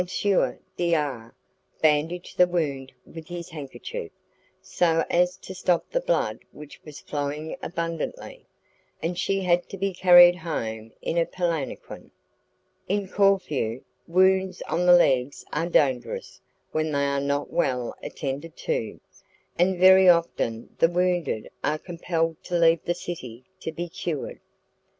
D R bandaged the wound with his handkerchief, so as to stop the blood which was flowing abundantly, and she had to be carried home in a palanquin. In Corfu, wounds on the legs are dangerous when they are not well attended to, and very often the wounded are compelled to leave the city to be cured.